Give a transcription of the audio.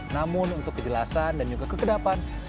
namun untuk kejelasan dan juga kekedapan